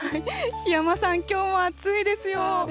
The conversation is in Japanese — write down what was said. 檜山さん、きょうも暑いですよ。